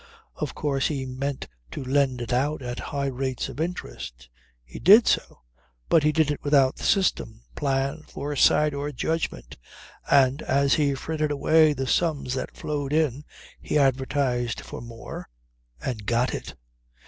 Of course he meant to lend it out at high rates of interest. He did so but he did it without system, plan, foresight or judgment. And as he frittered away the sums that flowed in, he advertised for more and got it.